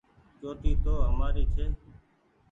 چوٽي تو همآري ڇي ۔